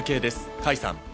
甲斐さん。